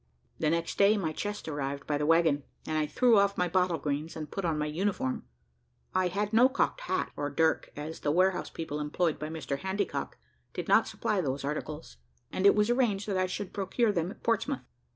The next day my chest arrived by the waggon, and I threw off my "bottle greens" and put on my uniform. I had no cocked hat, or dirk, as the warehouse people employed by Mr Handycock did not supply those articles, and it was arranged that I should procure them at Portsmouth.